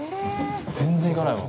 全然行かないわ。